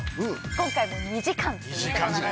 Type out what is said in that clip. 今回も２時間ということなので。